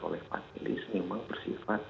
oleh panelis memang bersifat